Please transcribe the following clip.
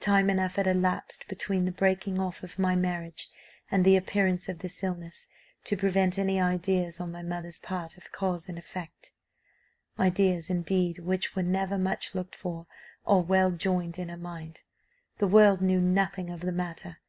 Time enough had elapsed between the breaking off of my marriage and the appearance of this illness, to prevent any ideas on my mother's part of cause and effect, ideas indeed which were never much looked for, or well joined in her mind. The world knew nothing of the matter.